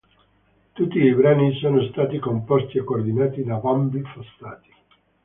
Tutti i brani sono stati composti e coordinati da "Bambi" Fossati